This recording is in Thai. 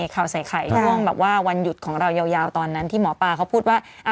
ข่าวใส่ไข่ช่วงแบบว่าวันหยุดของเรายาวตอนนั้นที่หมอปลาเขาพูดว่า